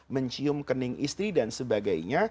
mencium kening istri dan sebagainya